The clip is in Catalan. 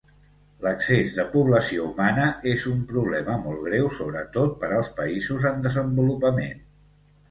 L'excés de població humana és un problema molt greu, sobretot per als països en desenvolupament.